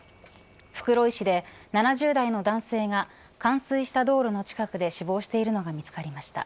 袋井市で７０代の男性が冠水した道路の近くで死亡しているのが見つかりました。